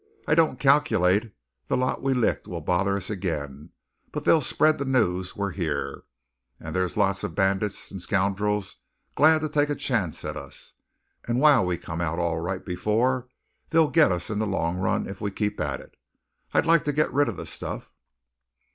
I don't calc'late that lot we licked will bother us ag'in; but they'll spread the news we're yere. And there's lots of bandits and scoundrels glad to take a chance at us. And while we come out all right before, they'll git us in the long run if we keep at it. I'd like to git rid of the stuff."